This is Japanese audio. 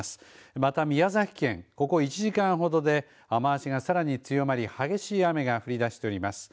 また宮崎県ここ１時間ほどで雨足がさらに強まり激しい雨が降りだしております。